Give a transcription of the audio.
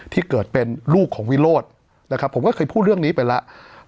ที่เกิดเป็นลูกของวิโรธนะครับผมก็เคยพูดเรื่องนี้ไปแล้ว